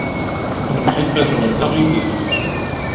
Lemḥibba-nwen d aɣilif.